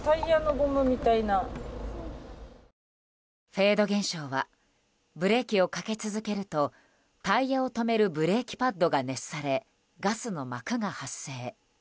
フェード現象はブレーキをかけ続けるとタイヤを止めるブレーキパッドが熱されガスの膜が発生。